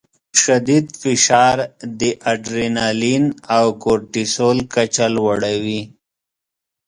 شدید فشار د اډرینالین او کورټیسول کچه لوړوي.